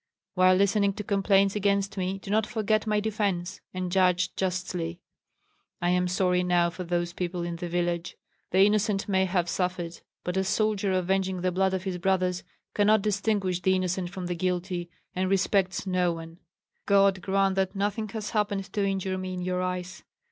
While listening to complaints against me, do not forget my defence, and judge justly. I am sorry now for those people in the village. The innocent may have suffered; but a soldier avenging the blood of his brothers cannot distinguish the innocent from the guilty, and respects no one. God grant that nothing has happened to injure me in your eyes.